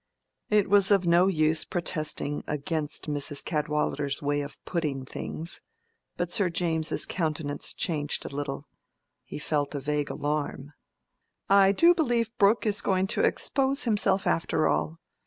It was of no use protesting against Mrs. Cadwallader's way of putting things. But Sir James's countenance changed a little. He felt a vague alarm. "I do believe Brooke is going to expose himself after all.